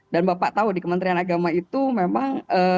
dan bapak tahu di kementerian agama itu memang